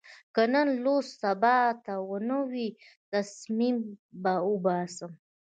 که نن لوست سبا ته ونه وي، تسمې به اوباسم.